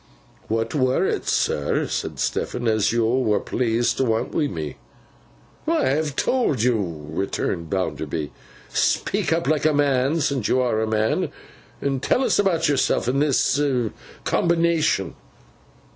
'What were it, sir,' said Stephen, 'as yo were pleased to want wi' me?' 'Why, I have told you,' returned Bounderby. 'Speak up like a man, since you are a man, and tell us about yourself and this Combination.